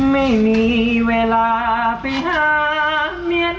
ไม่มีเวลาไปหาเมีย